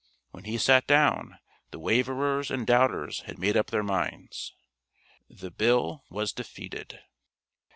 When he sat down the waverers and doubters had made up their minds. The Bill was defeated.